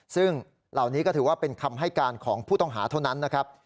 ซึ่งเหล่านี้ก็ถือว่าเป็นคำให้การของผู้ต้องหาเท่านั้นนะครับ